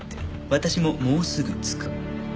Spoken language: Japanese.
「私ももうすぐ着く」